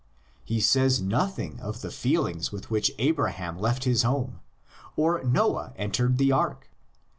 He says nothing of the feelings with which Abraham left his home, or Noah entered the ark.